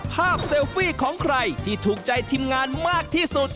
เซลฟี่ของใครที่ถูกใจทีมงานมากที่สุด